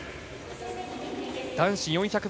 男子４００